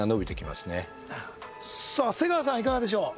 なるほどさあ瀬川さんいかがでしょう？